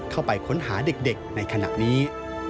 เข้าไปค้นหาเด็กในขณะนี้